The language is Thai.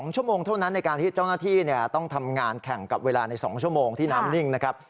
๒ชั่วโมงเท่านั้นในการที่เจ้าหน้าที่ต้องทำงานแข่งกับเวลาใน๒ชั่วโมงที่น้ำนิ่งนะครับ